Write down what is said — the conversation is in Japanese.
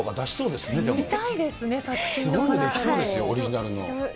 すごいできそうですよ、オリジナルの。